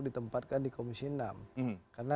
ditempatkan di komisi enam karena